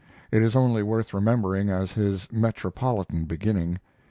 It is only worth remembering as his metropolitan beginning.